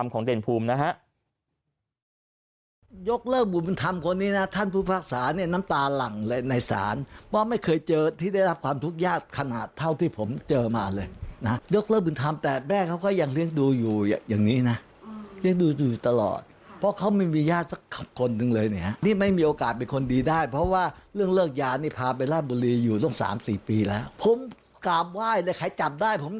คุณผู้ชมฟังเสียงคุณพ่อเป็นคุณพ่อบุญธรรมของเด่นภูมินะฮะ